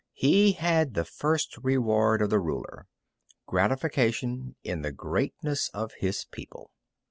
He had the first reward of the ruler, gratification in the greatness of his people.